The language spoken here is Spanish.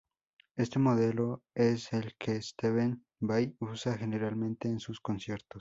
Este modelo es el que Steve Vai usa generalmente en sus conciertos.